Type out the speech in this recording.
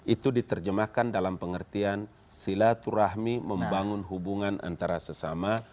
itu diterjemahkan dalam pengertian silaturahmi membangun hubungan antara sesama